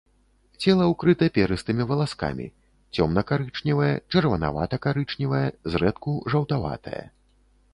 Цела ўкрыта перыстымі валаскамі, цёмна-карычневае, чырванавата-карычневае, зрэдку жаўтаватае.